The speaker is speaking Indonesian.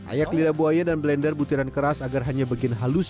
ayak lidah buaya dan blender butiran keras agar hanya bikin halus